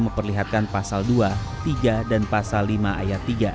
memperlihatkan pasal dua tiga dan pasal lima ayat tiga